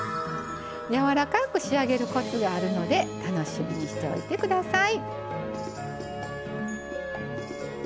やわらかく仕上げるコツがあるので楽しみにしておいてください。